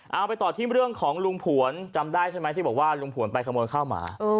เอาไปต่อที่เรื่องของลุงผวนจำได้ใช่ไหมที่บอกว่าลุงผวนไปขโมยข้าวหมา